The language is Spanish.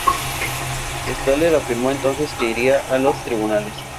Slater afirmó entonces que iría a los tribunales.